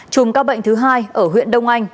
chùm ca bệnh thứ hai ở huyện đông anh